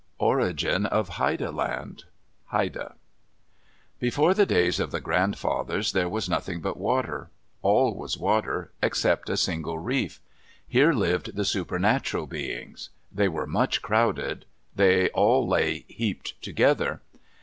ORIGIN OF HAIDA LAND Haida Before the days of the grandfathers there was nothing but water. All was water, except a single reef. Here lived the supernatural beings. They were much crowded. They all lay heaped together.